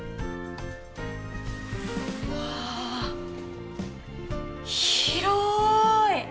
うわあ広い！